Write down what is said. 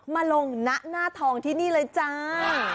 มาลงณหน้าทองที่นี่เลยจ้า